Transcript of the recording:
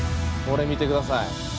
これ見てください。